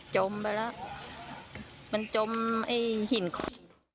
มไปแล้วมันจมไอ้หินขุด